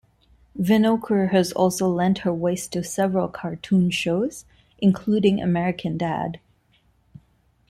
Winokur has also lent her voice to several cartoon shows, including American Dad!